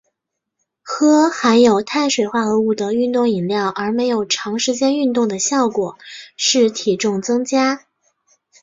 喝含有碳水化合物的运动饮料而没有长时间运动的效果是体重增加。